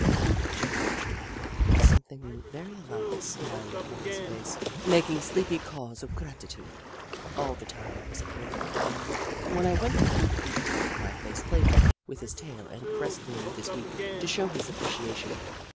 Jim watched me, with something very like a smile upon his face, making sleepy caws of gratitude all the time I was at work. When I went to bed, he tickled my face playfully with his tail and caressed me with his beak, to show his appreciation.